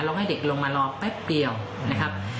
แล้วให้เด็กลงมารอแป๊บเดียวนะครับ